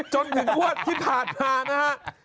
จนถึงงวดที่ผ่านมานะฮะ